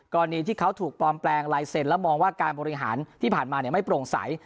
กรณีที่เขาถูกปลอมแปลงลายเซ็นต์และมองว่าการบริหารที่ผ่านมาไม่โปร่งใส